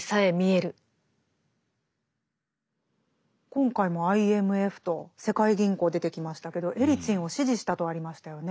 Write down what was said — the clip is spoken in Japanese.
今回もＩＭＦと世界銀行出てきましたけどエリツィンを支持したとありましたよね。